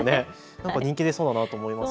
人気出そうだなと思います。